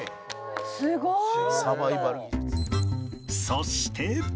そして